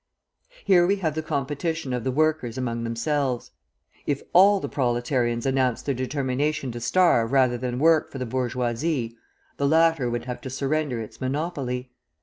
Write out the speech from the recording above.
Here we have the competition of the workers among themselves. If all the proletarians announced their determination to starve rather than work for the bourgeoisie, the latter would have to surrender its monopoly.